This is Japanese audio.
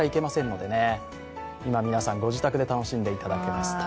皆さん、御自宅で楽しんでいただけます。